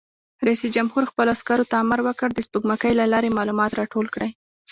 رئیس جمهور خپلو عسکرو ته امر وکړ؛ د سپوږمکۍ له لارې معلومات راټول کړئ!